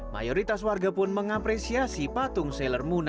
mayoritas warga pun mengapresiasi patung seller muna